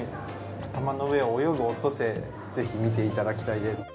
頭の上を泳ぐオットセイぜひ見て頂きたいです。